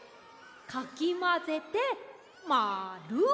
かきまぜてまる！